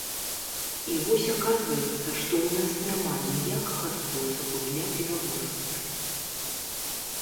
І вось аказваецца, што ў нас няма ніякага спосабу для перавозкі.